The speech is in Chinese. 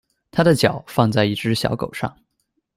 他的脚放在一只小狗上。